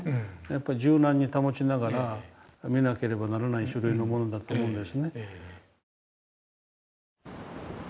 やっぱり柔軟に保ちながら見なければならない種類のものだと思うんですね。